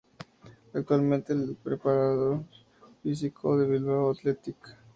Actualmente es preparador físico del Bilbao Athletic.